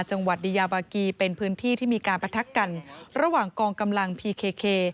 จังหวัดดียาบากีเป็นพื้นที่ที่มีการประทักกันระหว่างกองกำลังพีเค